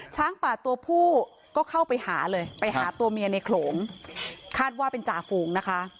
ช้างป่าตัวผู้ก็เข้าไปหาเลยไปหาตัวเมียในโขลงคาดว่าเป็นจ่าฝูงนะคะ